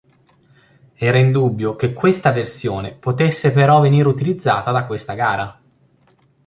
Era in dubbio che questa versione potesse però venir utilizza da questa gara.